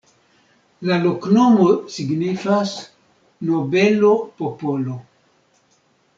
La loknomo signifas: nobelo-popolo.